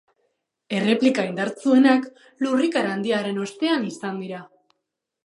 Erreplika indartsuenak lurrikara handiaren ostean izan dira.